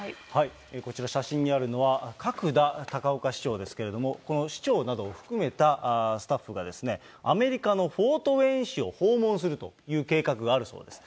こちら、写真にあるのは角田高岡市長ですけれども、この市長などを含めたスタッフがですね、アメリカのフォートウェーン市を訪問するという計画があるそうです。